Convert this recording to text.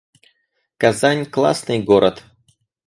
Казань — классный город